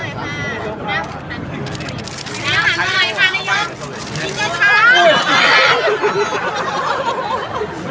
แต่เดี๋ยวไปน่ะน่ะเปิดหน้ามันก็ต้องหาจุดไปน่ะ